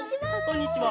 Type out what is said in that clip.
こんにちは。